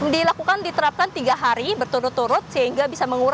dilakukan diterapkan tiga hari berturut turut sehingga bisa mengurangi